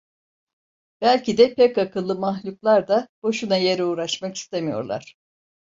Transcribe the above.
Belki de pek akıllı mahluklar da, boşuna yere uğraşmak istemiyorlar.